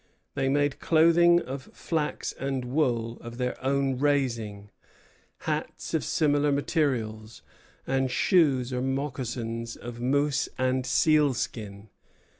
They made clothing of flax and wool of their own raising, hats of similar materials, and shoes or moccasons of moose and seal skin.